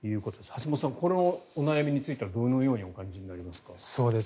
橋本さん、このお悩みについてはどのようにお感じになりますか。